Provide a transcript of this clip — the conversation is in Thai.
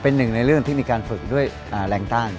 เป็นหนึ่งในเรื่องที่มีการฝึกด้วยแรงต้าน